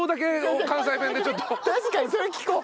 確かにそれ聞こう！